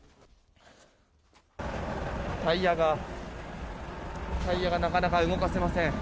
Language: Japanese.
タイヤがなかなか動かせません。